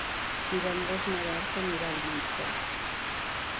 Divendres na Berta anirà al metge.